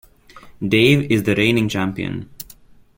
Dave is the reigning champion.